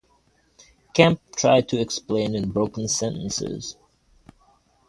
Kemp tried to explain in broken sentences.